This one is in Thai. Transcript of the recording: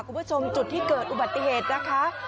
คุณผู้ชมจุดที่เกิดอุบัติเหตุนะคะ